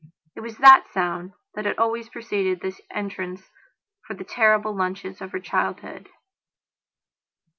It was that sound that had always preceded his entrance for the terrible lunches of her childhood...